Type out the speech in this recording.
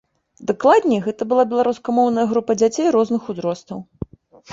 Дакладней, гэта была беларускамоўная група дзяцей розных узростаў.